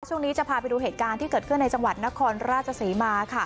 ช่วงนี้จะพาไปดูเหตุการณ์ที่เกิดขึ้นในจังหวัดนครราชศรีมาค่ะ